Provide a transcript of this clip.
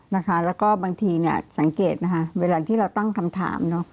นะคะแล้วก็บางทีสังเกตนะคะเวลาที่เราตั้งคำถาม